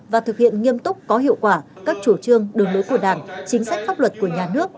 và thực hiện nghiêm túc có hiệu quả các chủ trương đường lối của đảng chính sách pháp luật của nhà nước